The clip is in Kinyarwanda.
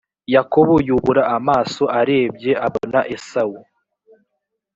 yakobo yubura amaso arebye abona esawu